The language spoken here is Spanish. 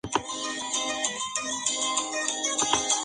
Forma parte del conurbano de la ciudad de Huancayo.